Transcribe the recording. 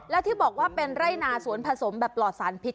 แล้วที่บอกว่าเป็นไร่นาสวนผสมแบบปลอดสารพิษ